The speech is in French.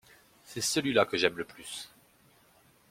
C’est celui-là que j’aime le plus.